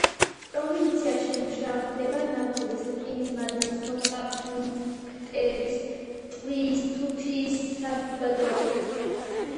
პროვინციაში მუშავდება ნავთობის, რკინის მადნის, ფოსფატების, ტყვიის, თუთიის საბადოები.